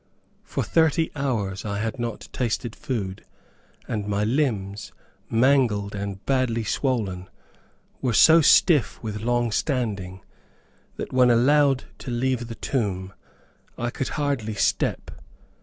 For thirty hours I had not tasted food, and my limbs, mangled and badly swollen, were so stiff with long standing, that, when allowed to leave the tomb, I could hardly step.